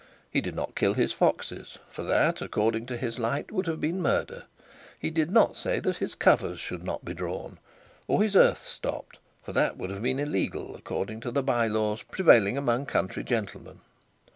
He did not kill his foxes, for that according to his light would have been murder. He did not say that his covers should not be drawn, or his earths stopped, for that would have been illegal according to the by laws prevailing among country gentlemen.